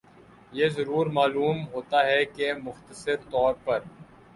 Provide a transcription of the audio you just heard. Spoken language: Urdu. یہ ضروری معلوم ہوتا ہے کہ مختصر طور پر